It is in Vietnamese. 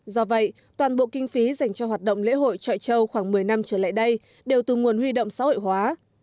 do vậy toàn bộ kinh phí dành cho hoạt động lễ hội trọi châu khoảng một mươi năm trở lại đây đều từ nguồn huy động xã hội hóa